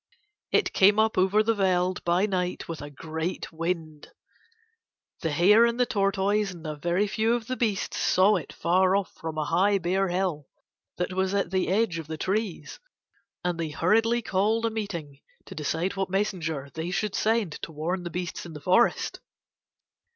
It came up over the weald by night with a great wind. The Hare and the Tortoise and a very few of the beasts saw it far off from a high bare hill that was at the edge of the trees, and they hurriedly called a meeting to decide what messenger they should send to warn the beasts in the forest.